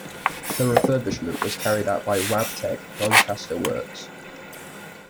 The refurbishment was carried out by Wabtec, Doncaster Works.